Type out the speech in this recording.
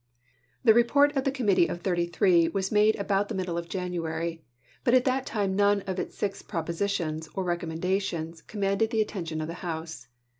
The report of the Committee of Thirty three was made about the middle of January, but at that time none of its six propositions, or recommendations, commanded the attention of the House.